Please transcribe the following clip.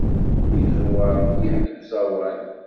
Yeẓwer mliḥ deg uẓawan.